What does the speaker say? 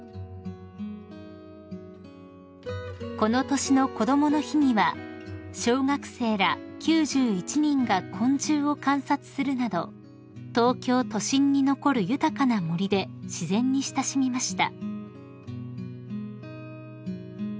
［この年のこどもの日には小学生ら９１人が昆虫を観察するなど東京都心に残る豊かな森で自然に親しみました］